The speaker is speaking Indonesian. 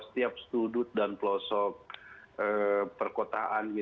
setiap sudut dan pelosok perkotaan